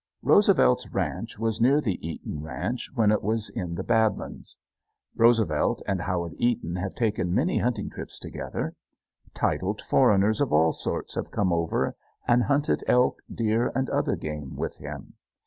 Roosevelt's ranch was near the Eaton ranch when it was in the Bad Lands. Roosevelt and Howard Eaton have taken many hunting trips together. Titled foreigners of all sorts have come over and hunted elk, deer, and other game with him.